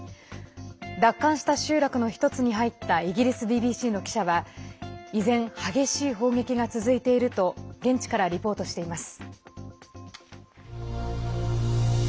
奪還した集落の１つに入ったイギリスＢＢＣの記者は依然、激しい砲撃が続いていると現地からリポートしています。